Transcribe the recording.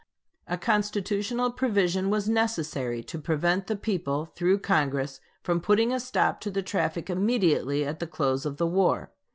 A constitutional provision was necessary to prevent the people, through Congress, from putting a stop to the traffic immediately at the close of the war.